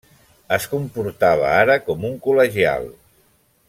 Es comportava ara com un col·legial.